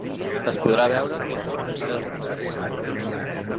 Es podrà veure fins al vint-i-tres de febrer.